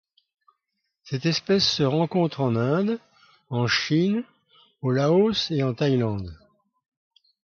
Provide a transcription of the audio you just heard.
Cette espèce se rencontre en Inde, en Chine, au Laos et en Thaïlande.